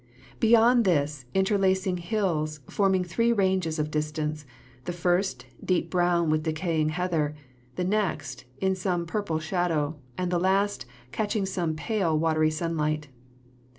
Beyond this, interlacing hills, forming three ranges of distance; the first, deep brown with decaying heather; the next, in some purple shadow, and the last catching some pale, watery sunlight."